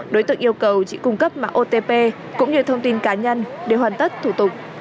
đối tượng yêu cầu chị cung cấp mã otp cũng như thông tin cá nhân để hoàn tất thủ tục